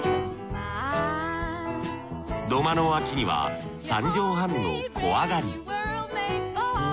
土間の脇には三畳半の小上がり。